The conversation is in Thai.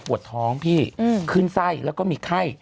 ปวดท้องพี่ขึ้นไส้แล้วก็มีไข้